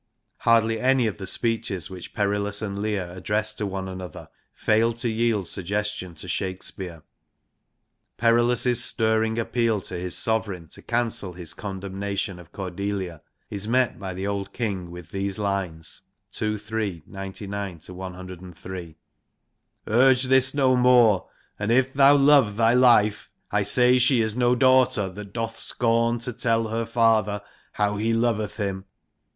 Hardly any of the speeches which Perillus and Leir address to one another failed to yield suggestion to Shakespeare. Perillus' stirring appeal to his sovereign to cancel his con demnation of Cordelia is met by the old King with these lines (II. iii. 99 103) ' Urge this no more, and if thou love thy life : I say she is no daughter, that doth scorn To tell her father how he loveth him.